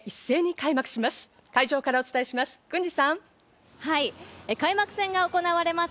会場からお伝えします。